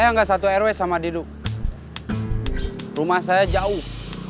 nama saya jauh